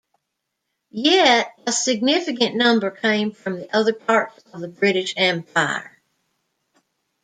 Yet a significant number came from other parts of the British Empire.